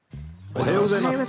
おはようございます。